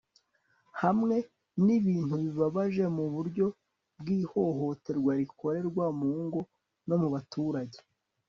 hamwe n'ibintu bibabaje mu buryo bw'ihohoterwa rikorerwa mu ngo no mu baturage